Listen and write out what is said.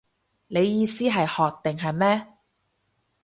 你意思係學定係咩